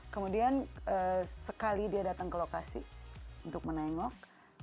kemudian sekali dia datang ke lokasi untuk menengok